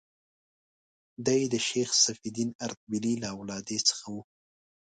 دی د شیخ صفي الدین اردبیلي له اولادې څخه و.